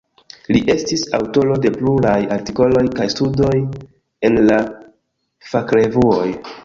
Li estis aŭtoro de pluraj artikoloj kaj studoj en la fakrevuoj.